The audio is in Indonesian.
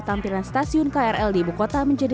tampilan stasiun krl di ibu kota menjadi